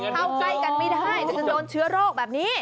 เข้าใกล้กันไม่ได้จะโดนเชื้อโรคแบบนี้